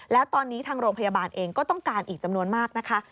แล้วตอนนี้ทางโรงพยาบาลเองก็ต้องการอีกจำนวนมากนะคะ